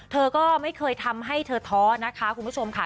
เธอก็ไม่เคยทำให้เธอท้อนะคะคุณผู้ชมค่ะ